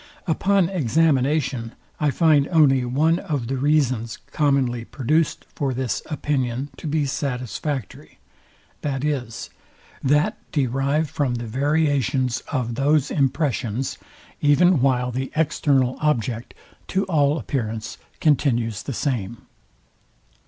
Upon examination, I find only one of the reasons commonly produced for this opinion to be satisfactory, viz. that derived from the variations of those impressions, even while the external object, to all appearance, continues the same.